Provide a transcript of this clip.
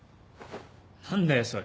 何だよそれ。